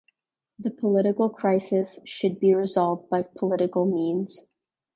The political crisis should be resolved by political means.